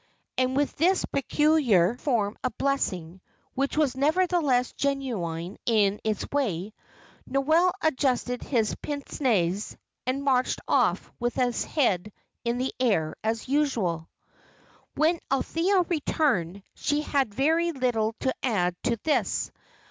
And with this peculiar form of blessing which was nevertheless genuine in its way Noel adjusted his pince nez, and marched off with his head in the air as usual. When Althea returned, she had very little to add to this.